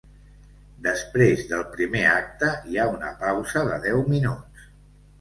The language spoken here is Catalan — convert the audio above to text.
Després del primer acte hi ha una pausa de deu minuts.